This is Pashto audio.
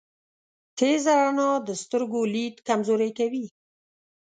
تیزه رڼا د سترګو لید کمزوری کوی.